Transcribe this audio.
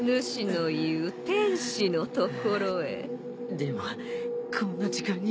でもこんな時間に。